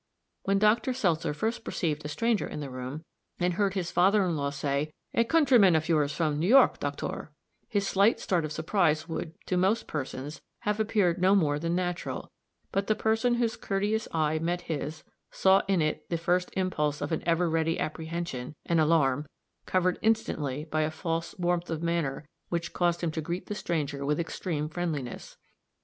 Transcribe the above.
_" When Dr. Seltzer first perceived a stranger in the room, and heard his father in law say, "A countryman of yours, from New York, doctor," his slight start of surprise would, to most persons, have appeared no more than natural; but the person whose courteous eye met his, saw in it the first impulse of an ever ready apprehension an alarm, covered instantly by a false warmth of manner which caused him to greet the stranger with extreme friendliness.